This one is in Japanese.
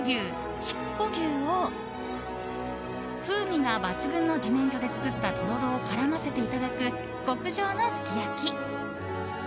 筑穂牛を風味が抜群の自然薯で作ったとろろを絡ませていただく極上のすきやき。